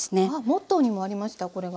モットーにもありましたこれが。